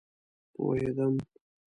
پوهيدم